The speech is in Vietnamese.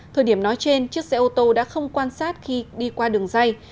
thời điểm nói trên chiếc xe ô tô đã không quan sát khi đi qua đường dây